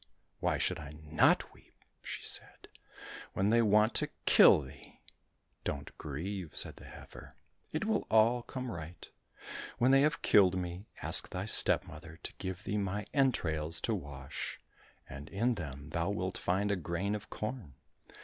—" Why should I not weep," she said, " when they want to kill thee ?"—" Don't grieve," said the heifer, '' it will all come right. When they have killed me, ask thy stepmother to give thee my entrails to wash, and in them thou wilt find a grain of corn.